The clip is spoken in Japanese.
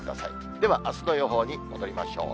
ではあすの予報に戻りましょう。